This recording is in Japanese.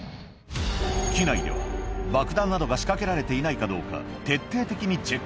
機内では爆弾などが仕掛けられていないかどうか、徹底的にチェッ